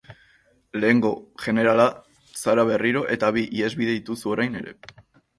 Lehengo jenerala zara berriro, eta bi ihesbide dituzu orain ere.